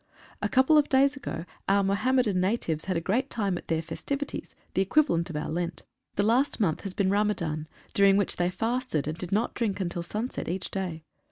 A couple of days ago our Moham medan natives had a great time at their festivities, the equivalent of our Lent. The last month has been Ramadan, during which they fasted, and did not drink until sunset each day.